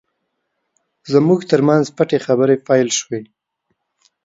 زموږ ترمنځ پټې خبرې پیل شوې.